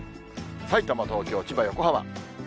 さいたま、東京、千葉、横浜。